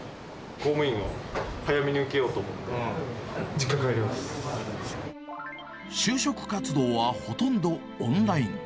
公務員を早めに受けようと思って、就職活動はほとんどオンライン。